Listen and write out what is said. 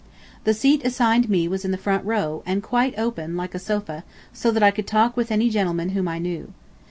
The seat assigned me was in the front row, and quite open, like a sofa, so that I could talk with any gentleman whom I knew.